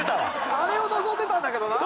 あれを望んでたんだけどなあ。